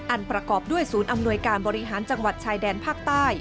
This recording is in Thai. ประกอบด้วยศูนย์อำนวยการบริหารจังหวัดชายแดนภาคใต้